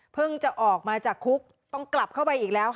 จะออกมาจากคุกต้องกลับเข้าไปอีกแล้วค่ะ